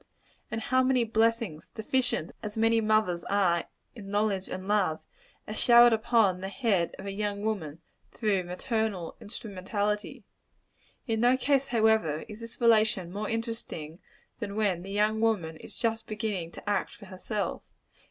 And how many blessings deficient as many mothers are in knowledge and love are showered upon the head of a young woman, through maternal instrumentality! In no case; however, is this relation more interesting, than when the young woman is just beginning to act for herself.